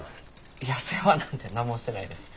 いや世話なんて何もしてないです。